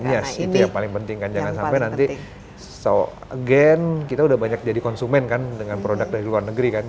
yes itu yang paling penting kan jangan sampai nanti so again kita udah banyak jadi konsumen kan dengan produk dari luar negeri kan